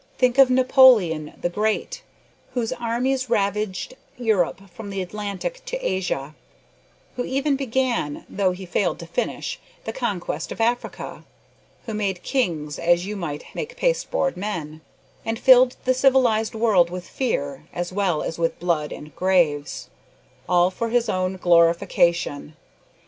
Think of Napoleon "the Great," whose armies ravaged Europe from the Atlantic to Asia: who even began though he failed to finish the conquest of Africa; who made kings as you might make pasteboard men, and filled the civilised world with fear, as well as with blood and graves all for his own glorification!